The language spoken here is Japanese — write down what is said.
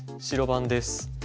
白番です。